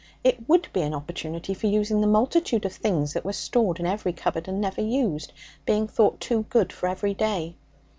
It would be an opportunity for using the multitude of things that were stored in every cupboard and never used, being thought too good for every day.